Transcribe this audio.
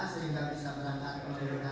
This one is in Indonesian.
sehingga bisa melangkah ke melayu nata